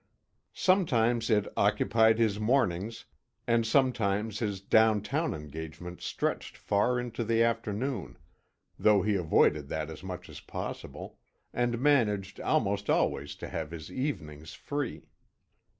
Sometimes it occupied his mornings, and sometimes his down town engagements stretched far into the afternoon, though he avoided that as much as possible, and managed almost always to have his evenings free.